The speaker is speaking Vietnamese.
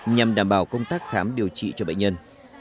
nhằm đảm bảo công tác khám điều trị cho bệnh nhân